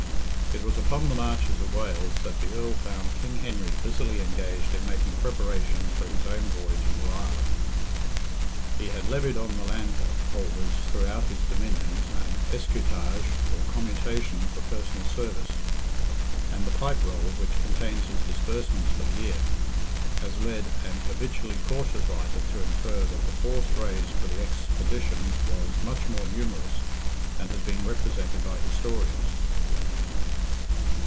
It was upon the marches of Wales that the Earl found King Henry busily engaged in making preparations for his own voyage into Ireland. He had levied on the landholders throughout his dominions an escutage or commutation for personal service, and the Pipe roll, which contains his disbursements for the year, has led an habitually cautious writer to infer "that the force raised for the expedition was much more numerous than has been represented by historians."